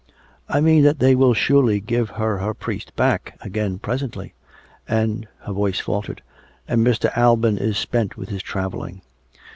" I mean that they will surely give her her priest back again presently; and" — (her voice faltered) — "and Mr. Alban is spent with his tj avelling."